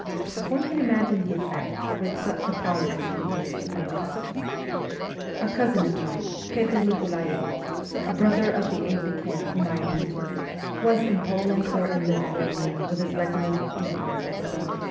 One can imagine the effect which such a policy produced upon the peasants. A cousin of mine, Petr Nikolaevich, a brother of the aide de camp whom I have mentioned, was in Poland or in Lithuania with his regiment of uhlans of the Guard.